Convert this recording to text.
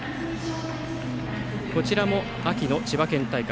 こちらも秋の千葉県大会